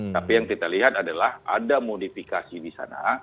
tapi yang kita lihat adalah ada modifikasi di sana